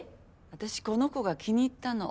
私この子が気に入ったの。